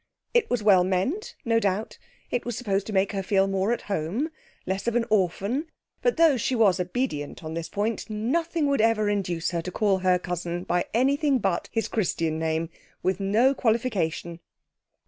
It was well meant, no doubt; it was supposed to make her feel more at home less of an orphan. But though she was obedient on this point, nothing would ever induce her to call her cousin by anything but his Christian name, with no qualification.